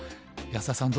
安田さん